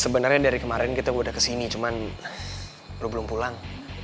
sebenarnya dari kemarin kita udah kesini cuma belum pulang